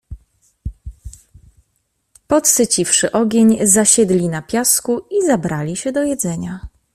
Podsyciwszy ogień zasiedli na piasku i zabrali się do jedzenia.